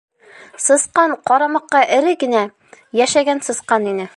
Сысҡан ҡарамаҡҡа эре генә, йәшәгән сысҡан ине.